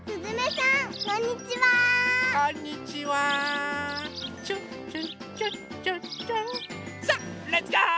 さあレッツゴー！